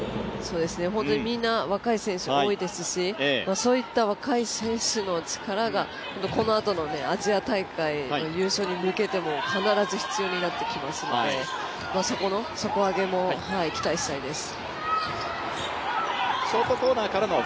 本当にみんな若い選手が多いですしそういった若い選手の力がこのあとのアジア大会の優勝に向けても必ず必要になってきますのでそこの底上げも期待したいです。